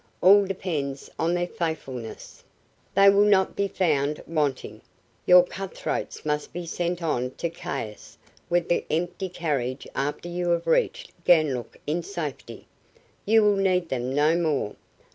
"All depends on their faithfulness." "They will not be found wanting. Your cut throats must be sent on to Caias with the empty carriage after you have reached Ganlook in safety. You will need them no more.